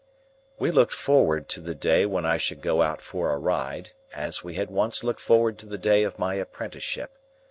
We looked forward to the day when I should go out for a ride, as we had once looked forward to the day of my apprenticeship.